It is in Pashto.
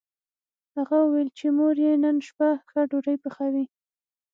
هغه وویل چې مور یې نن شپه ښه ډوډۍ پخوي